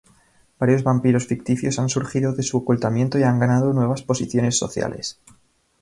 Varios vampiros ficticios han surgido de su ocultamiento y han ganado nuevas posiciones sociales.